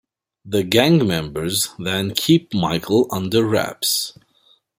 The gang members then keep Michael under wraps.